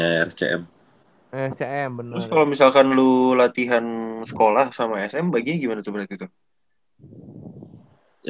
terus kalo misalkan lu latihan sekolah sama sm baginya gimana tuh berarti tuh